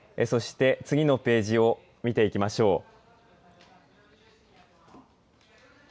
そして次のページを見ていきましょう。